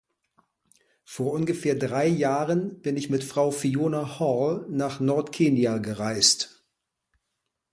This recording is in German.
Vor ungefähr drei Jahren bin ich mit Frau Fiona Hall nach Nordkenia gereist.